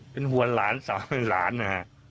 เป็นหวานหลานสามหลาน